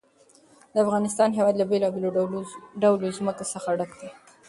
د افغانستان هېواد له بېلابېلو ډولو ځمکه څخه ډک دی.